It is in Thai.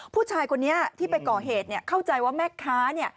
ผู้ชายคนนี้ที่ไปก่อเหตุเข้าใจว่าแม่ค้า